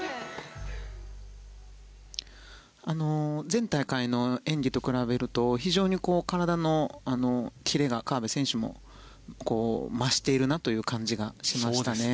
前大会の演技と比べると非常に体のキレが河辺選手、増しているなという感じがしました。